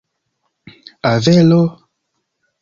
Avelo?